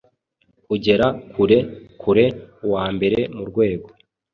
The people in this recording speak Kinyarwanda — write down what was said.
Kugera kure-kure uwambere murwego